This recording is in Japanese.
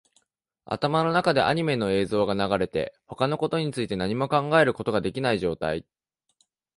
頭の中でアニメの映像が流れて、他のことについて何も考えることができない状態